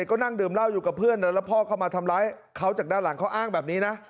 ก็นั่งดื่มเหล้าอยู่กับเพื่อนแล้วพ่อเข้ามาทำร้ายเขาจากด้านหลังเขาอ้างแบบนี้นะ